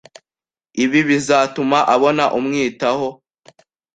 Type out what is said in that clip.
ibi bizatuma abona umwitaho